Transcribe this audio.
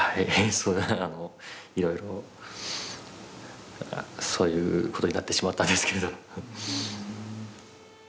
そのようにいろいろそういうことになってしまったんですけれど。